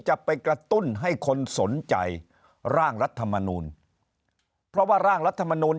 จะไปกระตุ้นให้คนสนใจร่างรัฐมนูลเพราะว่าร่างรัฐมนูล